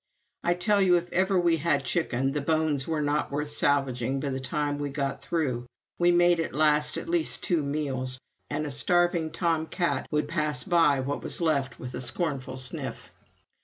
I tell you, if ever we had chicken, the bones were not worth salvaging by the time we got through. We made it last at least two meals, and a starving torn cat would pass by what was left with a scornful sniff.